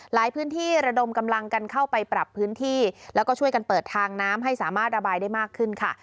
พื้นที่ระดมกำลังกันเข้าไปปรับพื้นที่แล้วก็ช่วยกันเปิดทางน้ำให้สามารถระบายได้มากขึ้นค่ะ